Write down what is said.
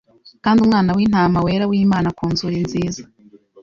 Kandi Umwana wintama wera wimana Ku nzuri nziza